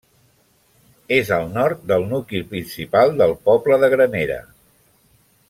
És al nord del nucli principal del poble de Granera.